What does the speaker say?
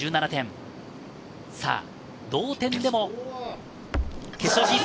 同点でも決勝進出。